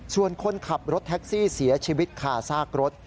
ส่วนคนขับรถแท็กซี่เสียชีวิตคาซากรถ